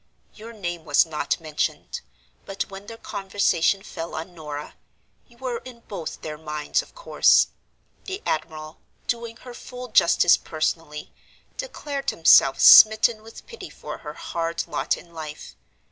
Your name was not mentioned; but when their conversation fell on Norah, you were in both their minds, of course. The admiral (doing her full justice personally) declared himself smitten with pity for her hard lot in life.